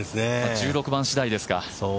１６番次第ですか。